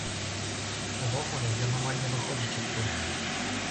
Увогуле, ён амаль не выходзіць адтуль.